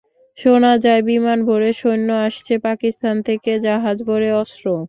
শোনা যায়, বিমান ভরে সৈন্য আসছে পাকিস্তান থেকে, জাহাজ ভরে অস্ত্র।